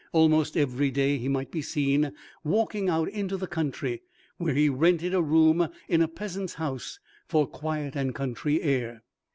Almost every day he might be seen walking out into the country, where he rented a room in a peasant's house for quiet and country air.